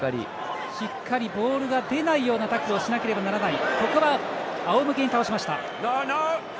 しっかりボールが出ないようなタックルをしなければならない。